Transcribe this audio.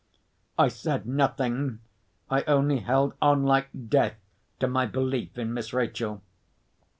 I said nothing. I only held on like death to my belief in Miss Rachel.